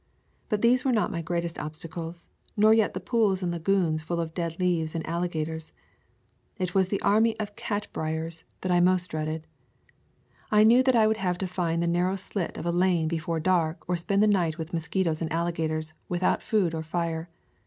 But these were not my greatest obstacles, nor yet the pools and lagoons full of dead leaves and alligators. It was the army of cat briers [ 118 | Florida Swamps and Forests that I most dreaded. I knew that I would have to find the narrow slit of a lane before dark or spend the night with mosquitoes and alligators, without food or fire.